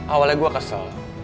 awalnya gue kesel